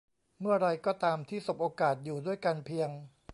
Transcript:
เมื่อไรก็ตามที่สบโอกาสอยู่ด้วยกันเพียง